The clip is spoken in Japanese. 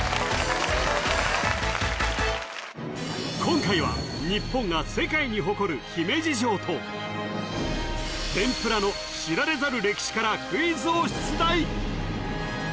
今回は日本が世界に誇る姫路城との知られざる歴史からクイズを出題